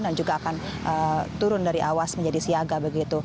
dan juga akan turun dari awas menjadi siaga begitu